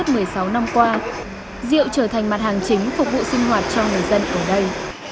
trong bà cúc suốt một mươi sáu năm qua rượu trở thành mặt hàng chính phục vụ sinh hoạt cho người dân ở đây